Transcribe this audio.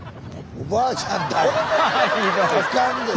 おばあちゃんを。